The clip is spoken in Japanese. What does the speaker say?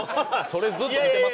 それずっと見てますよ